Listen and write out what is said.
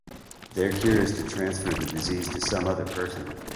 Their cure is to transfer the disease to some other person.